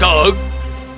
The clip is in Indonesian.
tidak dia milikku